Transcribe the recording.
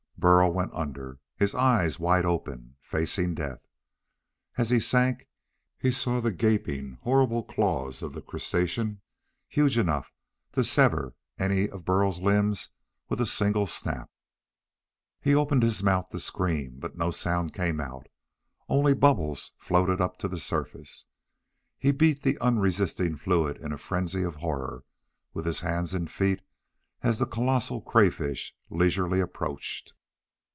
Burl went under, his eyes wide open, facing death. As he sank he saw the gaping, horrible claws of the crustacean, huge enough to sever any of Burl's limbs with a single snap. He opened his mouth to scream, but no sound came out. Only bubbles floated up to the surface. He beat the unresisting fluid in a frenzy of horror with his hands and feet as the colossal crayfish leisurely approached.